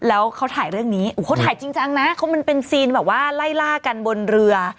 แล้วเขาถ่ายเรื่องนี้โอ้โหเขาถ่ายจริงจังนะมันเป็นซีนแบบว่าไล่ล่ากันบนเรือ